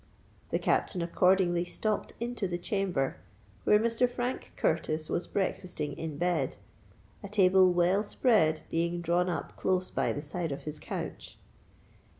The Captain accordingly stalked into the chamber, where Mr. Frank Curtis was breakfasting in bed, a table well spread being drawn up close by the side of his couch.